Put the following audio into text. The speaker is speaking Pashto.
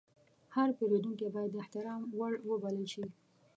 هر پیرودونکی باید د احترام وړ وبلل شي.